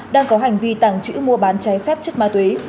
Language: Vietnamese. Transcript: đang có hành vi tàng trữ mua bán cháy phép chất mạng